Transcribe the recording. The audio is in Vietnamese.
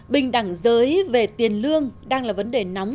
bình đẳng giới về tiền lương đang là vấn đề nóng